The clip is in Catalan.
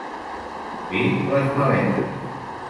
Fer les maletes.